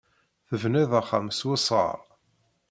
Tebniḍ axxam s wesɣar.